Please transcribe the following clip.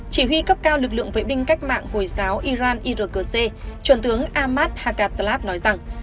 chỉ huy cấp cao lực lượng vệ binh cách mạng hồi giáo iran irgc trưởng tướng ahmad haqat tlaib nói rằng